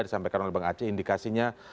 disampaikan oleh bang aceh indikasinya